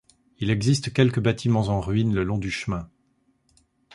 Il existe quelques bâtiments en ruine le long du chemin.